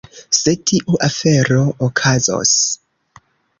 Se tiu afero okazos.